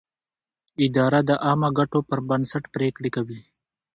اداره د عامه ګټو پر بنسټ پرېکړې کوي.